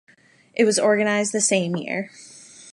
It was organized the same year.